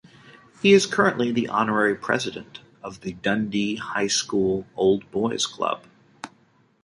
He is currently the Honorary President of The Dundee High School Old Boys' Club.